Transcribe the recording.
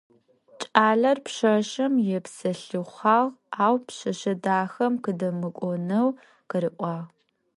Кӏалэр пшъашъэм епсэлъыхъуагъ, ау пшъэшъэ дахэм къыдэмыкӏонэу къыриӏуагъ.